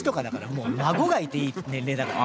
もう孫がいていい年齢だから。